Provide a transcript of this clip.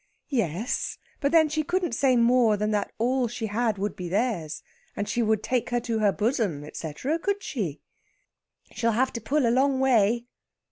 "Yes; but then she couldn't say more than that all she had would be theirs, and she would take her to her bosom, etcetera. Could she?" "She'll have to pull a long way!"